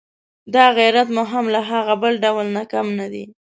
دا غیرت مو هم له هغه بل ډول نه کم نه دی.